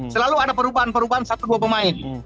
selalu ada perubahan perubahan satu dua pemain